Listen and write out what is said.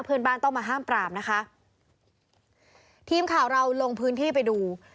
เพื่อนบ้านต้องมาห้ามปรามนะคะทีมข่าวเราลงพื้นที่ไปดู